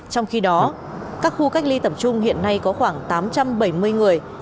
trong khi đó các khu cách ly tập trung hiện nay có khoảng tám trăm bảy mươi người